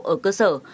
ở cơ sở